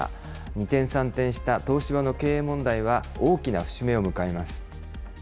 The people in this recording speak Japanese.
二転三転した東芝の経営問題は、大きな節目を迎えます。